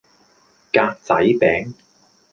格仔餅